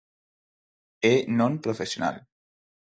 E non profesional.